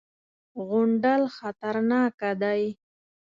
_غونډل خطرناکه دی.